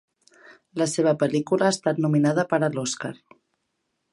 La seva pel·lícula ha estat nominada per a l'Oscar.